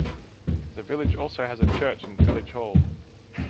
The village also has a Church and Village Hall.